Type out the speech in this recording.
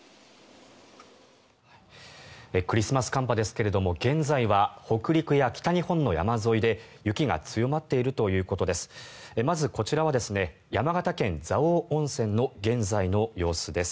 クリスマス寒波ですが現在は北陸や北日本の山沿いで雪が強まっているということです。